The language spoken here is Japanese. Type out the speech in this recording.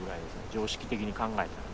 常識的に考えたら。